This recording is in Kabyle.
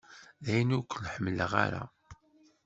Dayen ur ken-ḥemmleɣ ara.